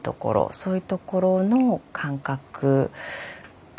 そういうところの間隔が。